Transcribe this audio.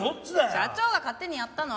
社長が勝手にやったの。